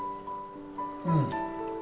うん。